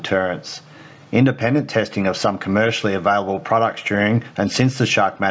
pemeriksaan independen dari beberapa produk yang ada di pasar komersil